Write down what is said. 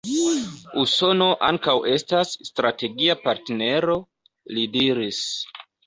Usono ankaŭ estas strategia partnero, li diris.